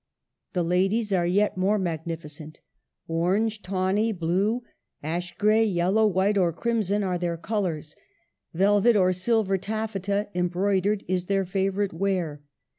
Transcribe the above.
The ladies are yet more magnificent. Orange, tawny, blue, ash gray, yellow, white, or crimson, are their colors ; velvet or silver taffeta embroi dered is their favorite wear.